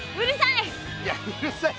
うるさい！